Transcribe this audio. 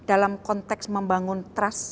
dan di dalam konteks membangun trust